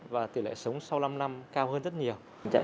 và tỷ lệ sống sau năm năm cao hơn rất nhiều